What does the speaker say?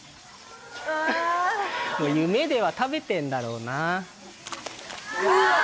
夢では食べてんだろうな。